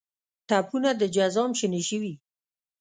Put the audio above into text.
ټپونه د جزام شنه شوي